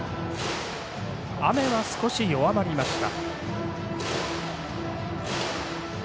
雨は少し弱まりました。